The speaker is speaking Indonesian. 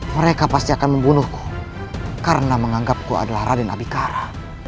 mereka pasti akan membunuhku karena menganggapku adalah raden abikara